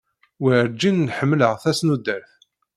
Werǧin nḥemmleɣ tasnudert.